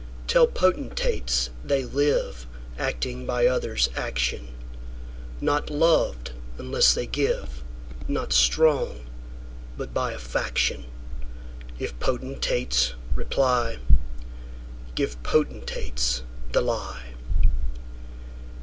Tell potentates, they liveActing by others' action; Not loved unless they give, Not strong, but by a faction:If potentates reply, Give potentates the lie.